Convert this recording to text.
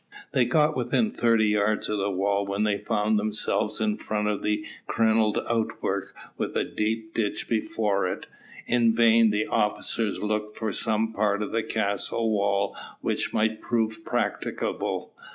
They got within thirty yards of the walls when they found themselves in front of a crenelled outwork with a deep ditch before it. In vain the officers looked for some part of the castle wall which might prove practicable.